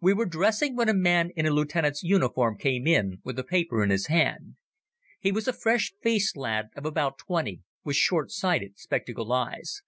We were dressing when a man in a lieutenant's uniform came in with a paper in his hand. He was a fresh faced lad of about twenty, with short sighted spectacled eyes.